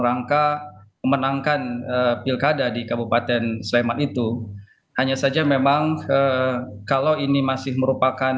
rangka memenangkan pilkada di kabupaten sleman itu hanya saja memang kalau ini masih merupakan